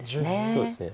そうですね。